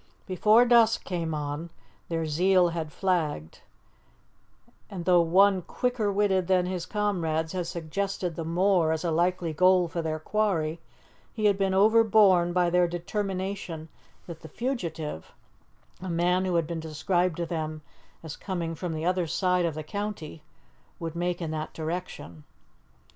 Before dusk came on, their zeal had flagged; and though one, quicker witted than his comrades, had suggested the moor as a likely goal for their quarry, he had been overborne by their determination that the fugitive, a man who had been described to them as coming from the other side of the county, would make in that direction.